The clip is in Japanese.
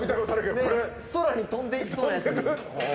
空に飛んでいきそうなやつ。